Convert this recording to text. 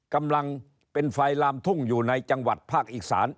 กำลังเป็นไฟลามทุ่งอยู่ในจังหวัดภาคอีสาน